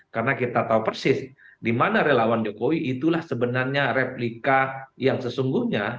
karena kita tahu persis di mana relawan jokowi itulah sebenarnya replika yang sesungguhnya